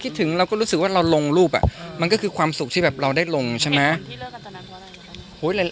คิดถึงเราก็รู้สึกว่าเราลงรูปอ่ะมันก็คือความสุขที่แบบเราได้ลงใช่มั้ย